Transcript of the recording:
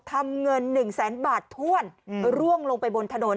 ทำเงิน๑แสนบาทถ้วนร่วงลงไปบนถนน